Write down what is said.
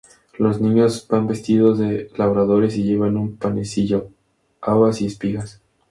Los niños van vestidos de labradores y llevan un panecillo, habas y espigas.